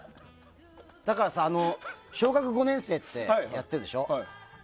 だからさ、小学５年生ってやってるでしょ。